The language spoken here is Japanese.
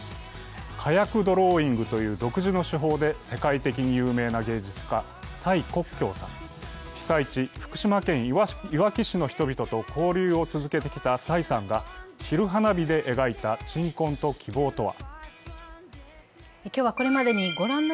火薬ドローイングという独自の手法で世界的に有名な芸術家、蔡國強さん被災地・福島県いわき市の人々と交流を続けてきた蔡さんが昼花火で描いた鎮魂と希望とは。